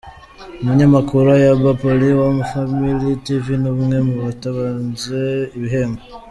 Umunyamakuru Ayabba Paulin wa Family Tv ni umwe mu batanze ibihembo.